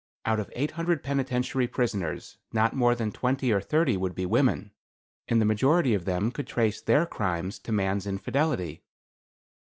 Out of eight hundred penitentiary prisoners, not more than twenty or thirty would be women; and the majority of them could trace their crimes to man's infidelity.